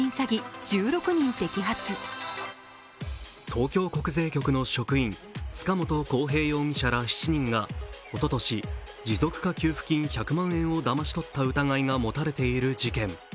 東京国税局の職員、塚本晃平容疑者ら７人がおととし、持続化給付金１００万円をだまし取った疑いが持たれている事件。